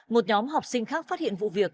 một nhóm học sinh khác phát hiện vụ việc